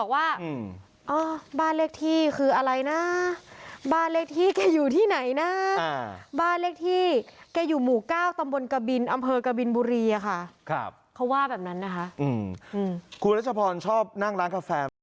ว่าแบบนี้ค่ะหลายคนเลยบอกว่าแบบบ้านเล็กที่คืออะไรนะ